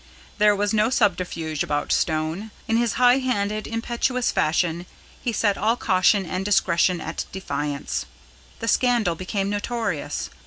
There was no subterfuge about Stone. In his high handed, impetuous fashion, he set all caution and discretion at defiance. The scandal became notorious.